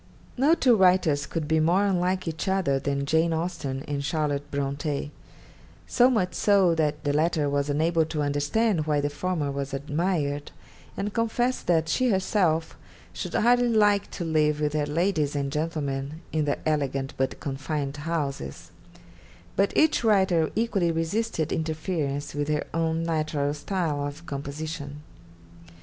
No two writers could be more unlike each other than Jane Austen and Charlotte Bronte; so much so that the latter was unable to understand why the former was admired, and confessed that she herself 'should hardly like to live with her ladies and gentlemen, in their elegant but confined houses;' but each writer equally resisted interference with her own natural style of composition.